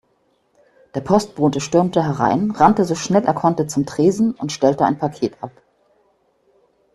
Der Postbote stürmte herein, rannte so schnell er konnte zum Tresen und stellte ein Paket ab.